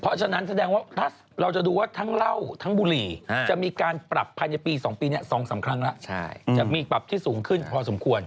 เพราะฉะนั้นแสดงว่าถ้าเราจะดูว่าทั้งเหล้าทั้งบุหรี่จะมีการปรับภายในปี๒ปีนี้๒๓ครั้งแล้วจะมีปรับที่สูงขึ้นพอสมควร